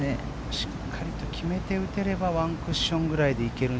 しっかりと決めて打てればワンクッションくらいで行けると